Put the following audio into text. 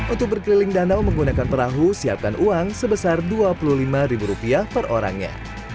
untuk berkeliling danau menggunakan perahu siapkan uang sebesar dua puluh lima ribu rupiah per orangnya